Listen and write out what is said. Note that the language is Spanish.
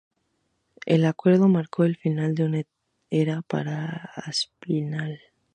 El acuerdo marcó el final de una era para Aspinall.